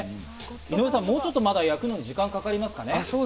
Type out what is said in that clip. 井上さん、まだ焼くのに時間かかりますかね？